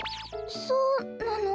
そうなの？